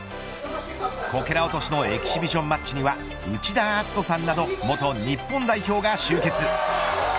こけら落としのエキシビションマッチには内田篤人さんなど元日本代表が集結。